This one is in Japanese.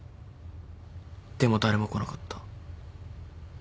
でも誰も来なかった。